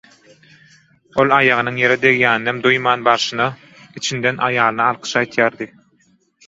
Ol aýagynyň ýere degýäninem duýman barşyna içinden aýalyna alkyş aýdýardy.